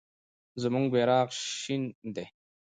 زموږ بیرغ شنه دی.